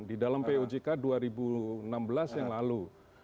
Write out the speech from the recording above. di dalam pojk dua ribu enam belas yang lalu